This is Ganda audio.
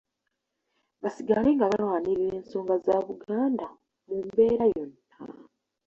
Basigale nga balwanirira ensonga za Buganda mu mbeera yonna.